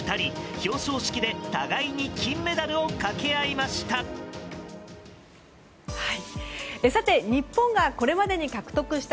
表彰式で互いに金メダルを掛け合いました。